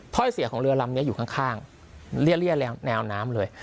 ถ้อยเสียของเรือลำนี้อยู่ข้างเรียดแนวน้ำเลย